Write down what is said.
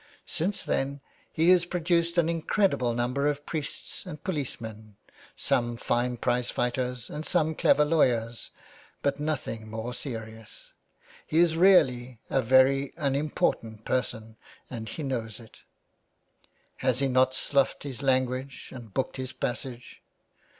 Since then he has produced an incredible number of priests and police men, some fine prize fighters and some clever lawyers ; but nothing more serious. He is really a very unim portant person, and he knows it. Has he not sloughed his language and booked his passage